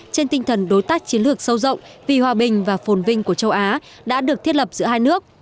trên tinh thần đối tác chiến lược sâu rộng vì hòa bình và phồn vinh của châu á đã được thiết lập giữa hai nước